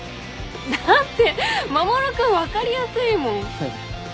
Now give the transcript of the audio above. だって守君分かりやすいもん。